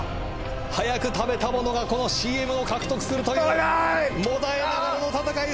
早く食べた者がこのＣＭを獲得するという辛いもだえながらの戦い